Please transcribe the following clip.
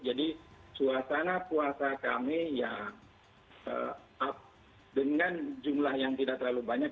jadi suasana puasa kami ya dengan jumlah yang tidak terlalu banyak